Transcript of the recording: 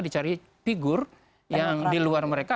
dicari figur yang di luar mereka